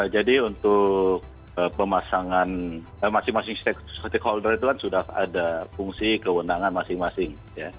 jadi untuk pemasangan masing masing stakeholder itu sudah ada fungsi kewenangan masing masing